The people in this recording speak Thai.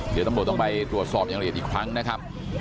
เดี๋ยวตำรวจต้องไปตรวจสอบอย่างละเอียดอีกครั้งนะครับ